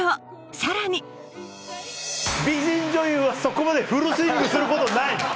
さらに美人女優はそこまでフルスイングすることないの。